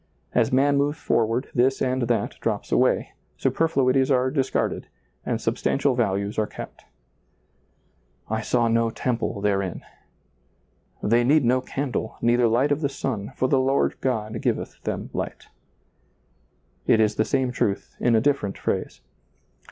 As man moves forward, this and that drops away, superfluities are discarded, and substantial values are kept, " I saw no temple therein ";" They need no candle, neither light of the sun, for the Lord God giveth them light" It is the same truth in a different phrase.